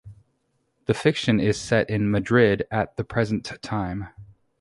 The fiction is set in Madrid at the present time.